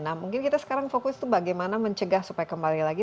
nah mungkin kita sekarang fokus itu bagaimana mencegah supaya kembali lagi